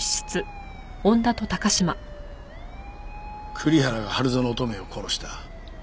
栗原が春薗乙女を殺した。